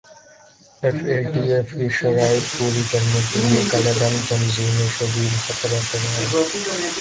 F A T F کی شرائط پوری کرنے کیلئے کالعدم تنظیمیںشدید خطرہ قرار